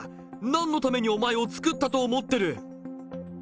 なんのためにお前をつくったと思ってる？